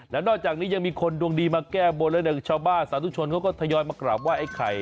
แล้วนอกจากนี้ยังมีคนดวงดีมาแก้บนแล้วเนี่ยชาวบ้านสาธุชนเขาก็ทยอยมากราบไห้ไอ้ไข่